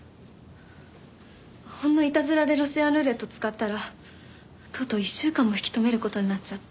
ほんのいたずらでロシアンルーレット使ったらとうとう１週間も引き留める事になっちゃって。